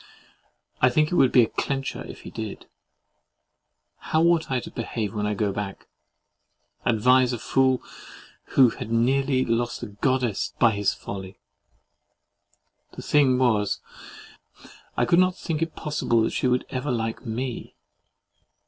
I think it would be a CLENCHER, if he did. How ought I to behave when I go back? Advise a fool, who had nearly lost a Goddess by his folly. The thing was, I could not think it possible she would ever like ME.